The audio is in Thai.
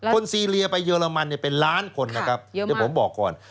ซีเรียไปเยอรมันเป็นล้านคนนะครับเดี๋ยวผมบอกก่อน